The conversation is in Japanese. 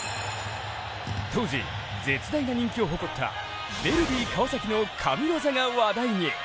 当時絶大な人気を誇ったヴェルディ川崎の神業が話題に。